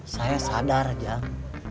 saya sadar ceng